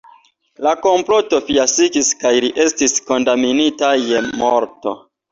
La komploto fiaskis kaj li estis kondamnita je morto.